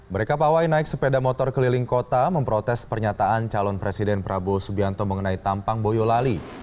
mereka pawai naik sepeda motor keliling kota memprotes pernyataan calon presiden prabowo subianto mengenai tampang boyolali